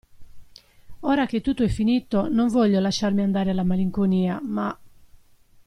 Ora che tutto è finito non voglio lasciarmi andare alla malinconia ma.